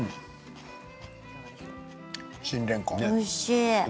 新れんこん。